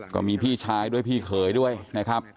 ก็มีพี่ชายด้วยพี่เขยด้วยนะครับ